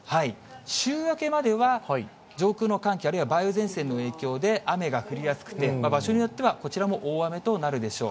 週明けまでは上空の寒気、あるいは梅雨前線の影響で、雨が降りやすくて、場所によってはこちらも大雨となるでしょう。